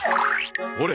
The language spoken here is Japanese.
ほれ。